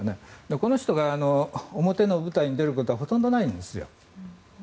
この人が表に舞台に出ることはほとんどないんです。